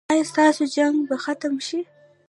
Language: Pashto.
ایا ستاسو جنګ به ختم شي؟